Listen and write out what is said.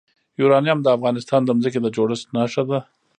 یورانیم د افغانستان د ځمکې د جوړښت نښه ده.